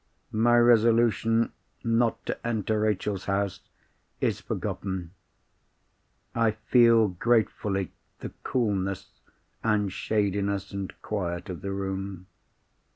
My resolution not to enter Rachel's house is forgotten. I feel gratefully the coolness and shadiness and quiet of the room.